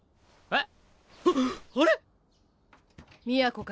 えっ？